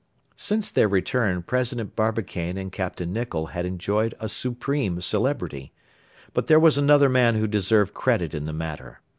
Since their return President Barbicane and Capt. Nicholl had enjoyed a supreme celebrity. But there was another man who deserved credit in the matter.